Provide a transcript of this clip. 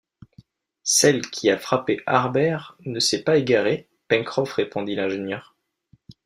Celle qui a frappé Harbert ne s’est pas égarée, Pencroff, répondit l’ingénieur